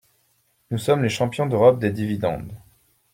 Nous sommes les champions d’Europe des dividendes.